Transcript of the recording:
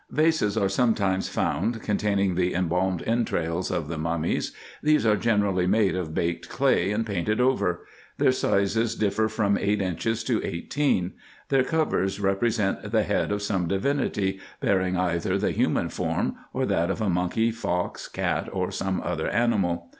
Vases are sometimes found con taining the embalmed entrails of the mummies. These are generally made of baked clay, and painted over : their sizes differ from eight inches to eighteen : their covers represent the head of some divinity, bearing either the human form, or that of a monkey, fox, cat, or some other animal.